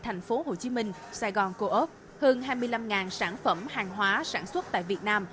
thành phố hồ chí minh sài gòn co op hơn hai mươi năm sản phẩm hàng hóa sản xuất tại việt nam